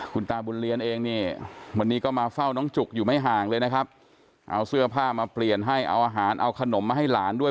คุณตาบุญเรียนเองเนี่ยวันนี้ก็มาเฝ้าน้องจุกอยู่ไม่ห่างเลยนะครับเอาเสื้อผ้ามาเปลี่ยนให้เอาอาหารเอาขนมมาให้หลานด้วย